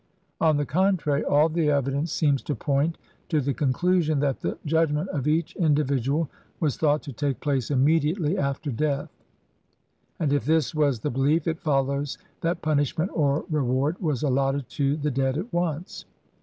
On the contrary, all the evi dence seems to point to the conclusion that the judg ment of each individual was thought to take place immediately after death, and if this was the belief it follows that punishment or reward was allotted to the dead at once.